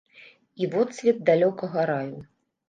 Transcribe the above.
І водсвет далёкага раю.